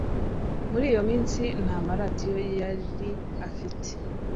Muri iyo minsi nta maradiyo yari afite.